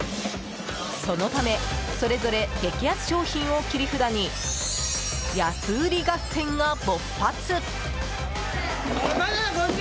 そのため、それぞれ激安商品を切り札に、安売り合戦が勃発。